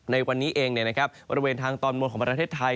ในวันนี้เองบริเวณทางตอนบนของประเทศไทย